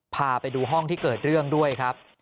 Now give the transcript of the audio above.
พาไปดูห้องที่เกิดเรื่องด้วยครับ